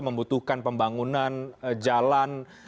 membutuhkan pembangunan jalan